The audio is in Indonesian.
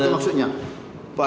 apa itu maksudnya